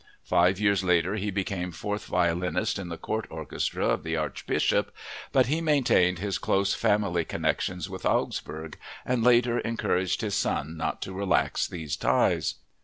Five years later he became fourth violinist in the court orchestra of the archbishop, but he maintained his close family connections with Augsburg and later encouraged his son not to relax these ties.